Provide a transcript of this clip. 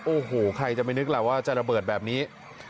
โอ้โหใครจะไม่นึกล่ะว่าจะระเบิดแบบนี้